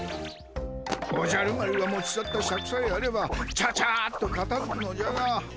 おじゃる丸が持ち去ったシャクさえあればチャチャッとかたづくのじゃが。